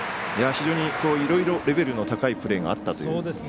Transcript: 非常にいろいろレベルの高いプレーがあったという。